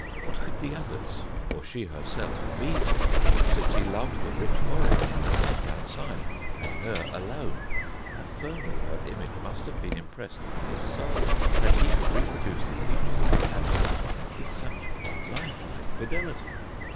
What could the others, or she herself, be to him, since he loved the rich foreigner in the tent outside, and her alone? How firmly her image must have been impressed upon his soul, that he could reproduce the features of the absent one with such lifelike fidelity!